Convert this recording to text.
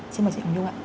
xin mời chị hồng nhung ạ